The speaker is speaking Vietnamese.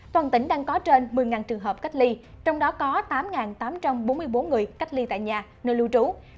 toàn tỉnh đang có trên một mươi trường hợp cách ly trong đó có tám tám trăm bốn mươi bốn người cách ly tại nhà nơi lưu trú